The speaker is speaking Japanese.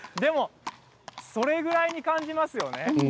それぐらいに感じますよね。